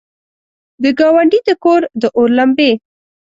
د ګاونډي د کور، داور لمبې!